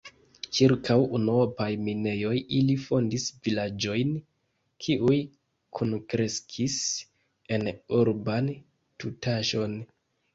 Ĉirkaŭ unuopaj minejoj ili fondis vilaĝojn, kiuj kunkreskis en urban tutaĵon.